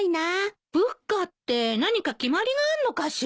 仏花って何か決まりがあるのかしら？